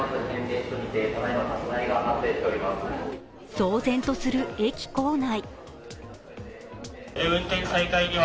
騒然とする駅構内。